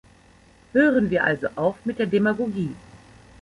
Hören wir also auf mit der Demagogie!